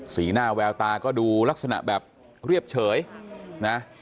หน้าแววตาก็ดูลักษณะแบบเรียบเฉยนะ